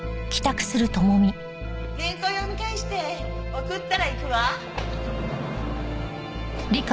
原稿を読み返して送ったら行くわ。